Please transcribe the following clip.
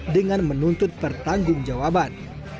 dengan menuntut pertanggung jawaban